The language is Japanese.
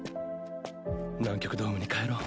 南極ドームに帰ろう。